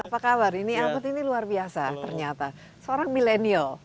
apa kabar albert ini luar biasa ternyata seorang milenial